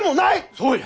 そうや！